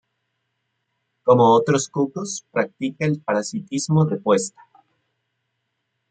Como otros cucos practica el parasitismo de puesta.